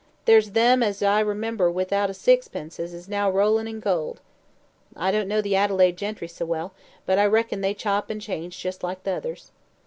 There's them as I remember without a sixpence as is now rolling in gold. I don't know the Adelaide gentry so well, but I reckon they chop and change just like the others.